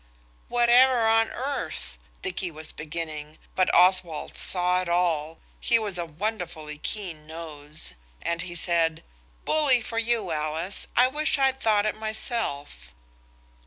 "What ever on earth–" Dicky was beginning, but Oswald saw it all. He has a wonderfully keen nose. And he said– "Bully for you, Alice. I wish I'd thought it myself."